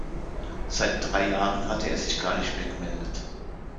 Seit drei Jahren hatte er sich gar nicht mehr gemeldet.